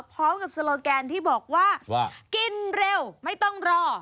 โซโลแกนที่บอกว่ากินเร็วไม่ต้องรอ